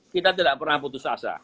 kita tidak pernah putus asa